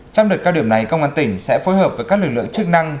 trong đợt cao điểm này công an tỉnh sẽ phối hợp với các lực lượng chức năng